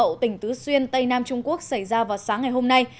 tại huyện mậu tỉnh tứ xuyên tây nam trung quốc xảy ra vào sáng ngày hôm nay